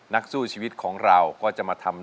นักสู้ชีวิตของเราก็จะมาทำ